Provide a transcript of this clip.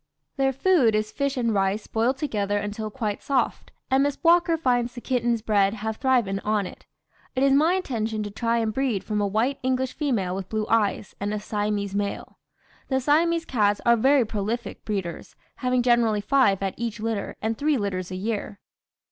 "Their food is fish and rice boiled together until quite soft, and Miss Walker finds the kittens bred have thriven on it. "It is my intention to try and breed from a white English female with blue eyes, and a Siamese male. "The Siamese cats are very prolific breeders, having generally five at each litter, and three litters a year.